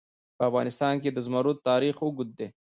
په افغانستان کې د زمرد تاریخ اوږد دی.